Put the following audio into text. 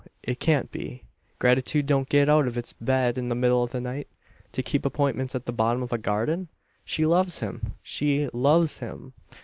It can't be. Gratitude don't get out of its bed in the middle of the night to keep appointments at the bottom of a garden? She loves him she loves him!